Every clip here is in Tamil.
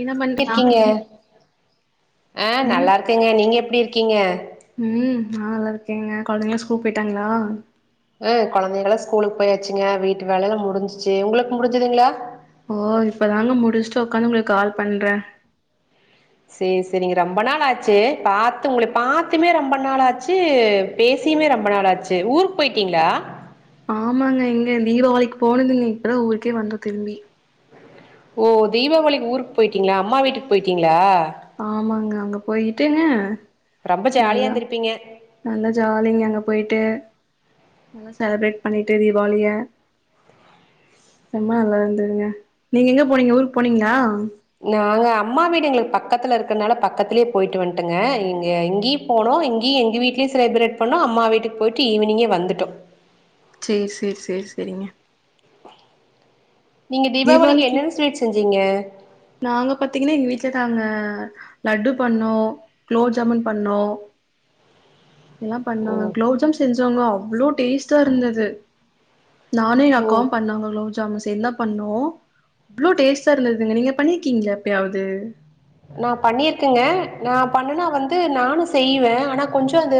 என்ன பண்றா இருக்கீங்க ஆஹ் ம் நல்லா இருக்கங்க நீங்க எப்படி இருக்கீங்க ஆஹ் நல்லா இருக்கேங்க குழந்தைங்க ஸ்கூல் போயிட்டாங்களா ஆஹ் குழந்தைகலா ஸ்கூலுக்கு போயாச்சுங்க வீட்டு வேலைையல்லா முடிஞ்சிச்சு உங்களுக்கு முடிஞ்சுதுங்களா ஓ இப்பதாங்க முடிச்சுட்டு உக்காந்து உங்களுக்கு கால் பண்ற சேரி சேரிங்க ரொம்ப நாள் ஆச்சு பாத்து உங்களை பாத்துமே ரொம்ப நாள் ஆச்சு பேசியுமே ரொம்ப நாள் ஆச்சு ஊருக்கு போயிட்டீங்களா ஆமாங்க எங்க தீபாவளிக்கு போனுதுங்க இப்பத ஊருக்கே வந்த திரும்பி ஓ தீபாவளிக்கு ஊருக்கு போயிட்டீங்களா அம்மா வீட்டுக்கு போயிட்டீங்களா ஆமாங்க அங்க போயிட்டே ரொம்ப ஜாலியா நல்லா இருந்திருப்பீங்க நல்லா ஜாலிங்க அங்க போயிட்டு நல்லா செலிப்ரேட் பண்ணிட்டு தீபாவளிய ரொம்ப நல்லா இருந்துதுங்க நீங்க எங்க போனீங்க ஊருக்கு போனீங்களா நாங்க அப் அம்மா வீடு எங்ளுக்கு பக்கத்துல இருக்றனால பக்கத்திலியே போயிட்டு வந்டாங்க, இங்க இங்கியு போனோ இங்கியு எங்க வீட்லியு செலிப்ரேட் பண்ணோ அம்மா வீட்டுக் போயிட்டு ஈவ்னிங்கே வந்துட்டோ செரி செரி செரி செரிங்க நீங்க தீபாவளிக்கி என்னென்ன ஸ்வீட் செஞ்சீங்க [unintelligible] நாங்க பாத்தீங்னா எங்க வீட்ல நாங்க லட்டு பண்ணோ குலோப்ஜாமுன் பண்ணோ எல்லா ஓ பண்ணோங்க குளோப்ஜாம் செஞ்சொங்களா அவ்ளோ டேஸ்டா இருந்துது நானு ஏன் ஓ அக்காவு பண்ணோ குளோப்ஜாமுன் சேந்தா பண்ணோ அவ்ளோ டேஸ்டா இருந்ததுங்க நீங்க பண்ணிருக்கீங்ளா எப்பயாவது நா பண்ணிருக்கங்க நா பண்ணனா வந்து நானு செய்வே ஆனா கொஞ்சோ அது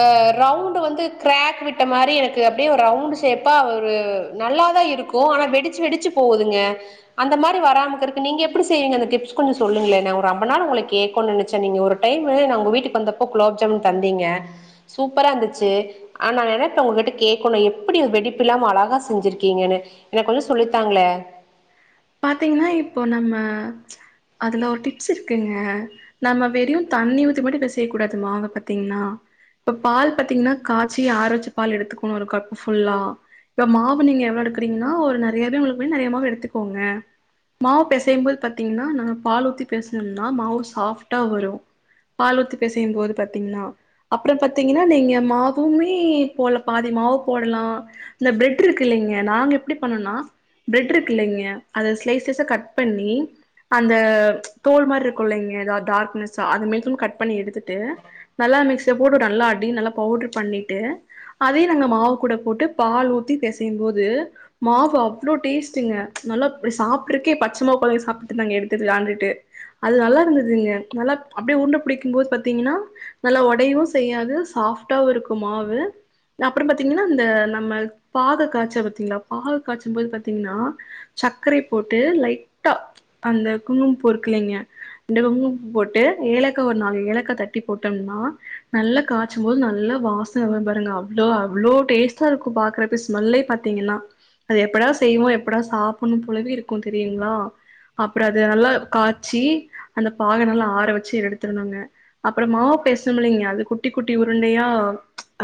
ஆ ரவுண்டு வந்து கிராக் விட்ட மாரி எனக்கு அப்டியே ஒரு ரவுண்டு ஷேப்பா ஒரு நல்லாதா இருக்கு ஆனா வெடிச்சி வெடிச்சி போவுதுங்க அந்த மாரி வராம இருக்குறக்கு நீங்க எப்டி செய்வீங்க அந்த டிப்ஸ் கொஞ்சோ சொல்லுங்களே நா ஒரு ரொம்ப நாள் உங்கள கேக்கனு நெனச்சே நீங்க ஒரு டைமு நா உங்க வீட்டுக்கு வந்தப்போ குலாப்ஜாமுன் தந்தீங்க சூப்பரா இருந்துச்சி ஆனா நா நெனப்பே உங்க கிட்ட கேட்கணு எப்டி வெடிப்பில்லாம அழகா செஞ்சிருக்கீங்கன்னு, எனக்கு கொஞ்சோ சொல்லித்தாங்களே பாத்தீங்கன்னா இப்போ நம்ம அதுல ஒரு டிப்ஸ் இருக்குங்க நம்ம வெறு தண்ணி ஊத்தி மட்டு பெசைய கூடாது மாவ பாத்தீங்கன்னா இப்ப பால் பாத்தீங்கன்னா காச்சி ஆற வச்ச பால் எடுத்துக்ணு ஒரு கப்பு ஃபுல்லா, இப்ப மாவ நீங்க எவ்ளோ எடுக்றீங்கன்னா ஒரு நெறையவே உங்ளுகளுக்கு வேணுன்னா நெறைய மாவு எடுத்துக் கோங்க மாவு பெசையும் போது பாத்தீங்கன்னா, நா பால் ஊத்தி பெசஞ்சனா மாவு சாஃப்டா வரு பால் ஊத்தி பெசையும் போது பாத்தீங்கன்னா, அப்றம் பாத்தீங்கன்னா நீங்க மாவுமே போல பாதி மாவு போடலா இந்த பிரெட் இருக்கு இல்லைங்க நாங்க எப்டி பண்ணோன்னா பிரெட் இருக்கு இல்லைங்க அத சிலைஷ்சிலைஷா கட் பண்ணி, அந்த தோல் மாரி இருக்குல்லைங்க அது டார்க்னஷா, அத மேல்கொண்டு கட் பண்ணி எடுத்துட்டு நல்லா மிக்சில போட்டு ஒரு நல்லா அடி நல்லா பவுடர் பண்ணிட்டு, அதயே நாங்க மாவு கூட போட்டு பால் ஊத்தி பெசையும் போது மாவு அவ்ளோ டேஸ்டுங்க. நல்லா இப்டி சாப்ட்ருக்கே பச்ச மாவு பழைய சாப்ட்றதுக்கு நாங்க எடுத்து எடுத்து விளாண்டுட்டு அது நல்லா இருந்ததுங்க நல்லா அப்டியே உருண்ட பிடிக்கும் போது பாத்தீங்னா நல்லா ஒடையவு செய்யாது சாஃப்டாவு இருக்கு மாவு, அப்றம் பாத்தீங்கன்னா இந்த நம்ம பாக காச்ச பாத்தீங்களா பாக காச்சும்போது பாத்தீங்கன்னா சக்கரைய போட்டு லைட்டா அந்த குங்குமப்பூ இருக்கு இல்லைங்க ரெண்டு குங்குமப்பூ போட்டு ஏலக்கா ஒரு நாலு ஏலக்கா தட்டி போட்டம்னா நல்லா காச்சும் போது நல்லா வாசன வரு பாருங்க அவ்ளோ அவ்ளோ டேஸ்டா இருக்கு பாக்குறப்பயே ஸ்மெல்லே பாத்தீங்கன்னா அது எப்படா செய்வோ எப்படா சாப் ஒண்ணு போலவே இருக்கு தெரியுங்களா, அப்ற அத நல்லா காச்சி அந்த பாக நல்லா ஆற வச்சி எடுத்துறணுங்க, அப்றம் மாவு பெசணும் இல்லைங்க அது குட்டி குட்டி உருண்டையா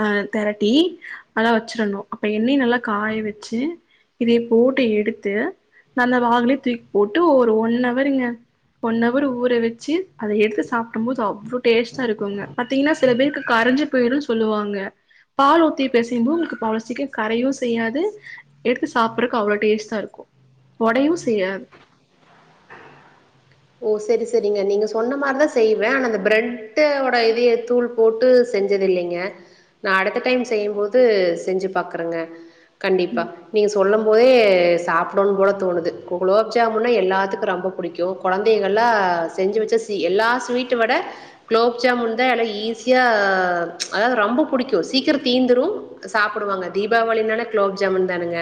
ஆ தெரட்டி அதெல்லா வச்சிரணு அப்ப எண்ணெய் நல்லா காய வச்சி இதய போட்டு எடுத்து நல்லா வாகுலயு தூக்கி போட்டு ஒரு ஒன்னவருங்க ஒன்னவர் ஊற வச்சி அத எடுத்து சாப்டும் போது அவ்ளோ டேஸ்டா இருக்குங்க. பாத்தீங்கன்னா சில பேருக்கு கரஞ்சி போயிருன்னு சொல்லுவாங்க பால் ஊத்தி பெசையும்போது உங்களுக்கு அவ்ளோ சீக்ரோ கரையவு செய்யாது எடுத்து சாப்ட்றக்கு அவ்ளோ டேஸ்டா இருக்கு ஒடையவு செய்யாது ஓ செரி செரிங்க நீங்க சொன்ன மாரிதா செய்வே ஆனா அந்த பிரெட் ஓட இதயே தூள் போட்டு செஞ்சது இல்லைங்க, நா அடுத்த டைம் செய்யும் போது செஞ்சி பபாக்குறேங்க கண்டிப்பா நீங்க சொல்லம் போதே சாப்டனும்போல தோணுது குலோப்ஜாமுன்னா எல்லாத்துக்கு ரொம்ப பிடிக்கு கொழந்தைகள்லா செஞ்சி வச்சா எல்லா ஸ்வீட்ட விட குலோப் ஜாமுன்தா எல்லா ஈஸியா அதாவது ரொம்ப பிடிக்கு சீக்கரோ தீந்துரு சாப்டுவாங்க தீபாவளினான குலோப்ஜாமுன் தானங்க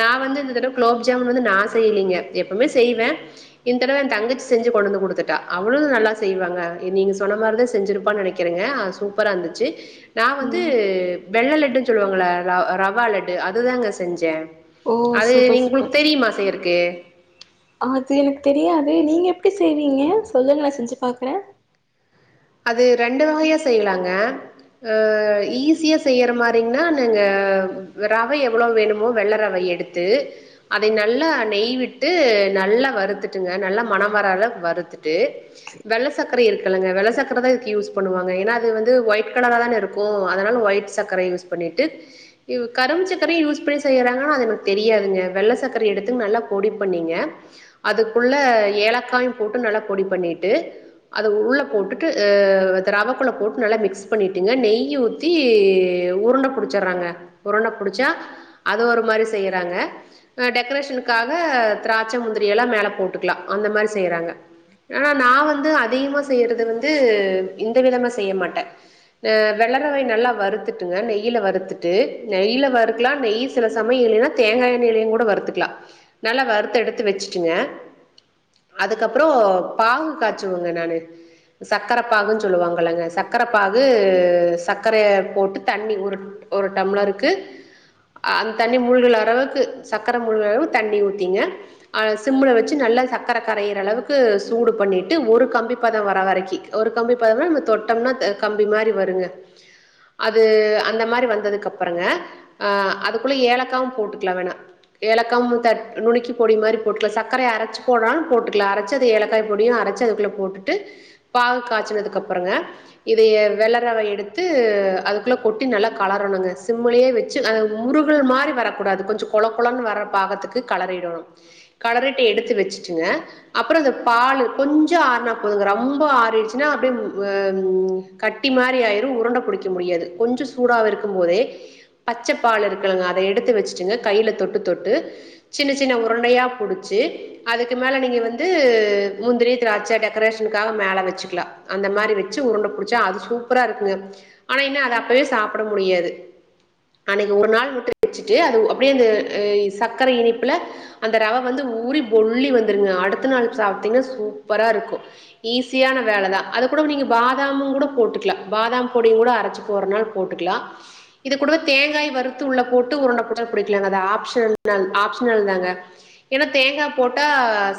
நா வந்து இந்த ஆமா தடவ குலோப்ஜாமுன் வந்து நா செய்லிங்க எப்பவுமே செய்வ இந் தடவ என் தங்கச்சி செஞ்சு கொண்டுவந்து குடுத்துட்டா. அவளு நல்லா செய்வாங்க நீங்க சொன்ன மாரிதா செஞ்சுருப்பானு நெனைக்கிறங்க அ சூப்பரா இருந்துச்சு நா வந்து ம் வெள்ள லட் டுனு சொல்வாங்கள ர ரவா லட்டு அதுதாங்க செஞ்சே ஓ அது சூப்பர் நீங்க சூப்பர் உங்ளுக்கு தெரியுமா செய்யறக்கு அது எனக்கு தெரியாதே நீங்க எப்டி செய்வீங்க? சொல்லுங்களே செஞ்சு பாக்ற அது ரெண்டு வகைய செய்லாங்க, ஆ ஈஸியா செய்ற மாரிங்னா, நாங்க ரவை எவ்ளோ வேணுமோ வெள்ள ரவைய எடுத்து அதை நல்லா நெய்விட்டு நல்லா வறுத்துட்டுங்க நல்லா மணம்வர அளவுக்கு வறுத்துட்டு வெள்ள சக்கர இருக்கலங்க வெள்ள சக் கரதா இதுக்கு யூஸ் பண்ணுவாங்க. ஏனா அது வந்து வொயிட் கலராதான இருக்கு. அதனால வொயிட் சக்கர யூஸ் பண்ணிட்டு யு கரும்புசக்கரையு யூஸ் பண்ணி செய்றாங்க அது எனக்கு தெரியாதுங்க. வெள்ள சக்கர எடுத்து நல்லா பொடி பண்ணிங்க அதுக்குள்ள ஏலக்காயும் போட்டு நல்லா பொடி பண்ணிட்டு அத உள்ள போட்டு டு அ ரவக்குள்ள போட்டு நல்ல மிக்ஸ் பண்ணிட்டுங்க நெய் ஊத்தி உருண்ட புடிச்சட்றாங்க, உருண்ட புடிச்சா அது ஒரு மாரி செய்றாங்க, அ டெக்ரேஷனுக்காக திராட்ச முந்திரிலா மேல போட்டுக்லா. அந்த மாரி செய்றாங்க. ஆனா நா வந்து அதிகமா செய்றது வந் து இந்த விதமா செய்ய மாட்ட, அ வெள்ள ரவைய நல்லா வறுத்துட்டுங்க நெய்ல வறுத்துட்டு நெய்ல வறுக்கலா நெய் சில சமயம் இல்லனா தேங்கா எண்ணைலையு கூட வறுத்துக்லா. நல்லா வறுத்த எடுத்து வச்சுட்டுங்க அதுக்கப்றோ பாகு காய்ச்சுவங்க நானு சக்கர பாகுன்னு சொல்லுவாங்கலங்க, சக்கர பாகு சக்கரய போட்டு தண்ணி ஒரு ஒரு டம்ளருக்கு அந்த தண்ணி மூழ்கிறளவுக்கு சக்கர மூழ்கிற அளவு தண்ணி ஊத்திங்க அ சிம்ல வச்சு நல்லா சக்கர கரையற அளவுக்கு சூடு பண்ணிட்டு ஒரு கம்பி பதம் வர வரைக்கு ஒரு கம்பி பதம்னா நம்ப தொட்டம்னா த கம்பி மாரி வருங்க அது அந்த மாரி வந்ததுக்கப்பறங்க அ அதுக்குள்ள ஏலக்காவு போட்டுக்லா வேணா ஏலக்காவு தட் நுணுக்கி பொடி மாரி போட்டுக்லா சக்கர அரச்சு பேடனாலு போட்டுக்லா அரச்சு அது ஏலக்கா பொடியு அரச்சு அதுக்குள்ள போட்டுட்டு பால் காச்சுனதுக்கப்பறங்க இதய விளறவ எடுத்து அதுக்குள்ள கொட்டி நல்லா களரணுங்க சிம்முளியே வச்சு அது முருகள் மாரி வரக்கூடாது கொஞ்ச கொள கொளன்னு வர பாகத்துக்கு கலறிடணோ கலறிட்டு எடுத்து வெச்சிட்டுங்க அப்றோ இந்த பாலு கொஞ்சோ ஆற்நா போதுங்க ரம் ரொம்ப ஆறிச்சினா அப்படியே அ ம் கட்டி மாரி அயிரு உருண்ட புடிக்க முடியாது கொஞ்சோ சூடாவ இருக்கும்போதே பச்ச பாலு இருக்குளங்க அத எடுத்து வெச்ட்டுங்க கைல தொட்டு தொட்டு சின்ன சின்ன உருண்டையா புடுச்சு அதுக்கு மேல நீங்க வந்து முந்திரி திராட்ச டெக்ரேஷனுக்கா மேல வெச்சுக்லா அந்த மாரி வெச்சு உருண்ட புடுச்சா அது சூப்பரா இருக்குங்க ஆனா இன்ன அத அப்பவே சாப்ட முடியாது அன்னைக்கு ஒரு நாள் மட்டு வெச்சுட்டு அது அப்டியே அந்த அ சக்கரை இனிப்புல அந்த ரவ வந்து ஊரி பொல்லி வந்துருங்க அடுத்த நாள் சாப்டீங்கனா சூப்பரா இருக்கும் ஈஸியான வேல தா அது குட நீங்க பாதாமு குட போட்டுக்லா பாதாம் பொடியுங்கூட அரச்சு போறனாள் போட்டுக்லா இது குடு தேங்காய் வறுத்து உள்ள போட்டு உருண்ட கூட புடிக்கலாங்க அது ஆப்ஷ்னல் ஆப்ஷ்னல் தாங்க ஏன்னா தேங்கா போட்டா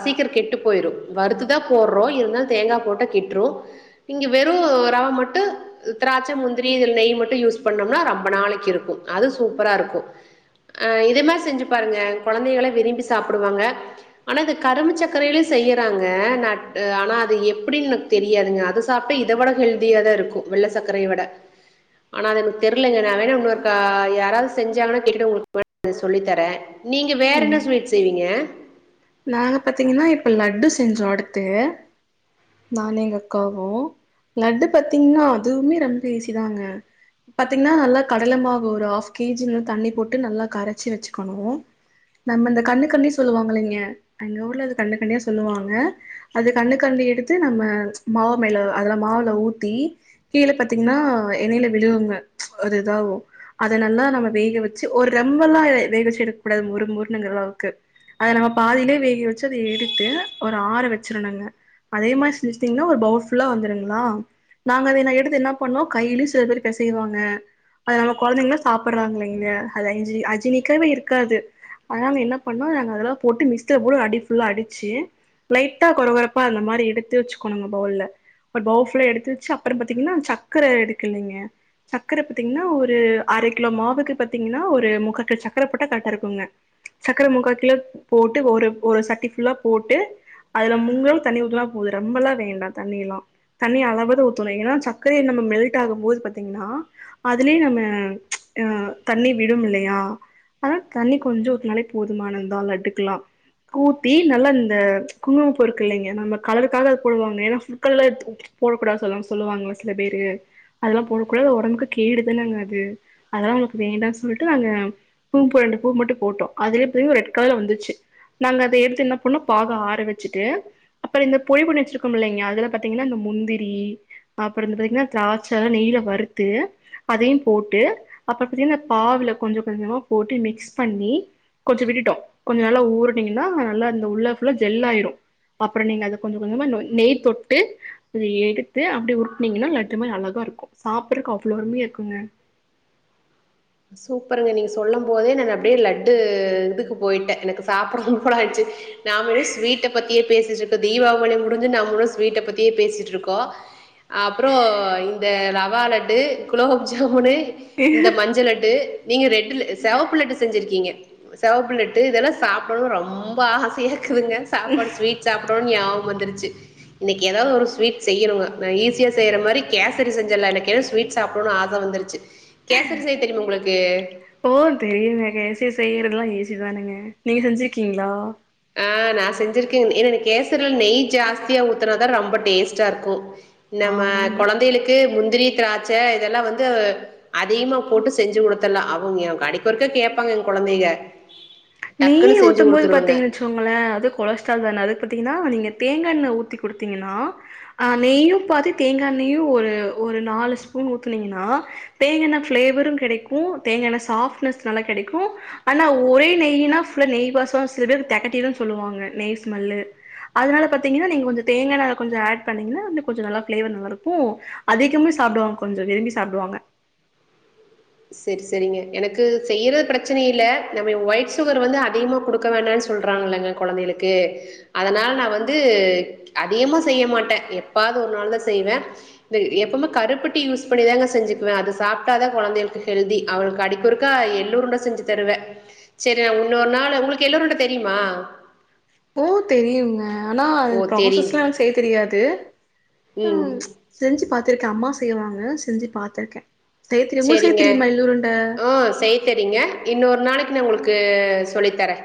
சீக்கிர கெட்டு பொய்று வறுத்து தா போறோ இருந்தா தேங்கா போட்டா கெட்றோ இங்க வெறு ரவ மட்டு திராட்ச முந்திரி நெய் மட்டு யூஸ் பண்ணம்னா ரம்ப நாளைக்கிருக்கு அது சூப்பரா இருக்கு இதே மர் செஞ்சு பாருங்க கொழந்தைகளே விரும்பி சாப்டுவாங்க ஆனா அது கரும்பு சக்கரலியு செய்ராங்க [unintelligible] ஆனா அது எப்டின்னு தெரியாதுங்க அது சாப்ட்டு இத வெட ஹெல்தியா தா இருக்கோ வெள்ள சக்கரைய வெட ஆனா அது எனக் தெர்லங்க நா வேணா உன்னொர்க்கா யாரா செஞ்சாங்கனா கேட்டுட்டு [unintelligible] சொல்லித்தர நீங்க வேறென்ன ம் ஸ்வீட் செய்வீங்க நாங்க பத்தீங்கன்னா இப்ப லட்டு செஞ்சோ அடுத்து நானு எங்கக்காவு லட்டு பத்தீங்ன்னா அதுவுமே ரெம்ப ஈசி தாங்க பாத்தீங்ன்னா நல்லா கடலமாவு ஒரு ஹாஃப் கேஜி தண்ணி போட்டு நல்லா கரச்சி வெச்சுக்கணு நம்ப இந்த கண்ணு [unintelligible] சொல்லுவாங்கலைங்க எங்க ஊர்ல அது கண்ணு [unintelligible] சொல்லுவாங்க அது கண்ணு கரண்டி எடுத்து நம்ம மாவ் மேல அதுல மாவ்ல ஊத்தி கீழ பத்தீங்ன்னா எண்ணெய்ல விழுகுங்க ஒரு இதாவு அதனல்லா நம்ம வேக வெச்சு ஒரு ரெம்பல்லா வேக ச்சு எடுக்கூடாது மொரு மொருன்னுங்குற அளவுக்கு அத நம பாதிலே வேக வெச்சு அத எடுத்து ஒரு ஆற வெச்சிருணுங்க அதே மா செட்டிங்ன்னா ஒரு பவஃபுல்ல வந்துருங்ளா நாங்க அத ந எடுத்து என்ன பண்ணோ கைய்ல சில பேரு பெசைவாங்க அத நம்ம கொழந்தைங்ளா சாப்புற்றாங்லைங்களா அத இஞ்சி அஜினிக்கவே இருக்காது அதாங்க என்ன பண்ணோ நாங்க அதல்லா போட்டு மிஸ் [unintelligible] அடி ஃபுல்லா அடிச்சு லைட்டா கொர கொரப்பா அந்த மாரி எடுத்து வச்சுக்கணுங்க பவுல்ல ஒரு பவு ஃபுல்லா எடுத்து வெச்சு அப்றோ பத்தீங்கன்னா சக்கர எடுக்கலைங்க சக்கர பத்தீங்ன்னா ஒரு அரை கிலோ மாவுக்கு பத்தீங்ன்னா ஒரு முக்கா கி சக்கர போட்டா கட்டா இருக்கோங்க சக்கர முக்கா கிலோ போட்டு ஒரு ஒரு சட்டி ஃபுல்லா போட்டு அதுல முங்குற அளவுக்கு தண்ணி ஊத்துனா போது ரொம்பெல்லா வேண்டா தண்ணி எல்லா தண்ணி அளவாதா ஊத்தோணு ஏனா சக்கரைய நம்ம மெல்ட் ஆகும் போது பாத்திங்கனா அதுலே நம்ம தண்ணி விடும் இல்லையா ஆனா தண்ணி கொஞ்சோ ஊத்துனாலே போதுமானதா லட்டு க்கெலா கூத்தி நல்லா இந்த குங்குமபூ இருக்குல்லைங்க நம்ம கலருக்காக போடுவாங்க ஏன்னா ஃபுட் கலர் போடக்கூடா சொல்லுவாங் சொல்லுவாங்கள சில பேரு அதெல்லா போடக்குடா ஒடம்புக்கு கேடுதானங்க அது அதெல்லா நமக்கு வேண்டா சொல்ட்டு நாங்க குங்கும்ப்பூ ரெண்டு பூ மட்டு போட்டோ அதுவே அப்டி ரெட் கலர்ல வந்துச்சு நாங்க அத எடுத்து என்ன பண்ணோ பாக ஆற வெச்சுட்டு அப்பற இந்த பொழி பண்ணி வச்சிருக்கோம் இல்லைங்க அதுல பாத்திங்னா இந்த முந்திரி அப்பறோ இந்த பத்திங்னா திராட்ச நெய்யில வறுத்து அதயும் போட்டு அப்பற பத்திங்கா அந்த பாவுல கொஞ்ச கொஞ்சமா போட்டு மிக்ஸ் பண்ணி கொஞ்சோ விட்டுட்டோ கொஞ்ச நல்லா ஊறுனீங்கனா நல்லா அந்த உள்ள ஃபுல்லா ஜெல்லாயிரு அப்ற நீங்க அத கொஞ்ச கொஞ்சமா ந நெய் தொட்டு அத எடுத்து அப்டி உருட்னிங்கனா லட்டு மாரி அழகா இருக்கு சாப்புறக்கு அவ்ளோ அருமையா இருக்குங்க சூப்பருங்க நீங்க சொல்லம் போதே நா அப்டியே லட்டு இதுக்கு போய்ட்ட எனக்கு சாப்டனும் போல ஆய்ச்சு நாம என்ன ஸ்வீட்ட பத்தியே பேசிட்ருக்கோ தீவாவளி முடிஞ்சு நம்முளு ஸ்வீட்ட பத்தியே பேசிட்ருக்கோ அப்றோ இந்த ர வா லட்டு குலோப் ஜாமுனு இந்த மஞ்ச லட் நீங்க ரெட் செவப்பு லட்டு செஞ்சிருக்கிங்க செவப்புலட்டு இதல்லா சாப்டணு ரொம்ப ஆசையாருக் குதுங்க சாப்பாடு ஸ்வீட் சாப் படணுன் நியாபக வந்துருச்சு இன்னைக்கி எதாவுது ஒரு ஸ்வீட் செய்யணுங்க நா ஈஸியா செய்ற மாரி கேசரி செஞ்சில்லானிருக்க ஏனா ஸ்வீட் சாப்டணுன் ஆச வந்துருச்சு கேசரி செய் தெரிமா உங்ளு ஓ தெரியு நெறிய சே செய் பேரெல்லா ஏசிதானுங்க நீங்க செஞ்சிருக்கீங்ளா ஆ நா செஞ்சிருக்கே ஏன்ன என கேசர்ல நெய் ஜாஸ்தியா ஊத்துனாதா ரொம்ப டேஸ்ட்டார்க்கோ நம்ம ஆமாங்க. கொழந்தைளுக்கு முன் திரி திராட்ச இதெல்லா வந்து அதிமா போட்டு செஞ்சு உடுத்துல்லா அவுங்க அடைக்கொருக்க கேட்பாங்க எங் கொழந்தைக நெய்யா டக்குன்னு செஞ்சு ஊத்தும் போது குடுத்துருவங்க பாத்தீங்கச்சோ மல்ல அது கொலஸ்ரால் தன அது பத்திங்கனா நீங்க தேங்காண்ண ஊத்தி குடுத்தீங்கனா அ நெய்யு பாதி தேங்காண்ணெயு ஒரு ஒரு நாலு ஸ்பூன் ஊத்துனீங்கனா தேங்கன ஃப்ளேவரு கெடைக்கு தேங்கன சாப்ட்னஸ் நல்லா கெடைக்கு ஆனா ஒரே நெய் [unintelligible] சில பேருக்கு தெகட்டிரு சொல்லுவாங்க நெய்ஸ்மெல்லு அதனால பத்தீங்கன்னா நீங்க கொஞ்சோ தேங்கான கொஞ்சோ ஆட் பண்ணீங்கன்னா கொஞ்சோ நல்லா ஃபிளேவர் நல்லா இருக்கு அதிகமா சாப்டுவாங்க கொஞ்சோ விரும்பி சாப்டுவாங்க செரி செரிங்க எனக்கு செய்றத் பிரச்சனை இல்ல நம்மயு ஒய்ட் சுகர் வந்து அதிமா குடுக்க வேணான்னு சொல்றாங்கலங்க கொழந்தைளுக்கு அதனால் நா வந்து அதியமா செய்ய மாட்ட எப்பாது ஒரு நாள் தா செய்வே ந்த எப்பமே கருப்பட்டி யூஸ் பண்ணிதாங்க செஞ்சிக்குவே அது சாப்ட்டா தா கொழந்தைளுக்கு ஹெல்தி அவுளுக்கு அடிக்கொருக்கா எள்ளுருண்ட செஞ்சு தருவே செரி நா உன்னொரு நாளு உங்குளுக்கு எள்ளுருண்ட தெரியுமா ஓ தெரியுங்க ஆனா அது ஓ தெரியு புரோசஸ்லா எனக்கு செய்ய தெரியாது ம் உம் செஞ்சு பாத் பாத்திருக்கே அம்மா செய்வாங்க செஞ்சு பாத்திருக்கே செய்ய தெரியு உங்களுக்கு செய்ய சரிங்க தெரியுமா எள்ளுருண்ட ஹ செய்ய தெரியங்க இன்னொரு ஒரு நாளைக்கு நா உங்களுக்கு சொல்லி தரேன்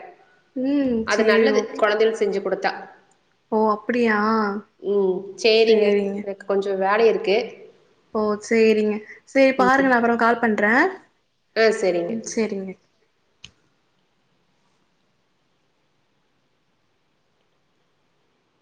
ம் அது சேரி நல்லது ஓகே கொழந்தைக செஞ்சு குடுத்தா ஓ அப்டியா உம் சரிங்க சேரிங்க எனக்கு கொஞ்ச வேல இருக்கு ஓ சரிங்க சரி பாருங்க நான் அப்புற கால் பண்றே ஆ சேரிங்க உம் செரிங்க